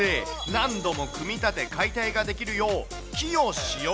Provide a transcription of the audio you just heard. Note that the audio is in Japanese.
何度も組み立て、解体ができるよう、木を使用。